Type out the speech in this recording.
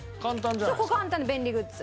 そうこれ簡単で便利グッズ。